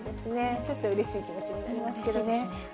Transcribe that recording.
ちょっとうれしい気持ちになりますよね。